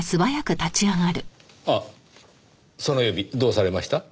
あっその指どうされました？